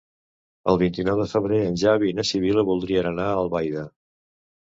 El vint-i-nou de febrer en Xavi i na Sibil·la voldrien anar a Albaida.